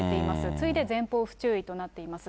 次いで前方不注意となっています。